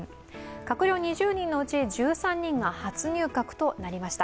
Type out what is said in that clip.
閣僚２０人のうち１３人が初入閣となりました。